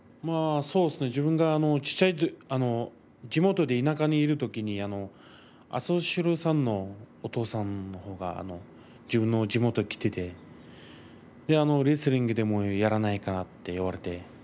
自分が小さいとき地元で田舎にいるときに朝青龍さんのお父さんが自分の地元に来ていてレスリングでもやらないかと言われて。